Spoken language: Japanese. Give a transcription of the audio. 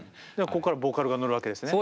ここからボーカルが乗るわけですね。